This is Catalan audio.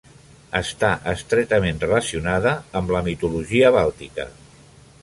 Està estretament relacionada amb la mitologia bàltica.